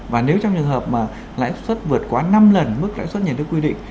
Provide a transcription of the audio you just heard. và nếu trong trường hợp mà lãi suất vượt quá năm lần mức lãi suất nhà nước quy định